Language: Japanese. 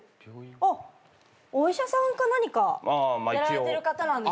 あっお医者さんか何かやられてる方なんですか？